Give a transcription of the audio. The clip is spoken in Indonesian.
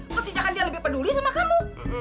mestinya kan dia lebih peduli sama kamu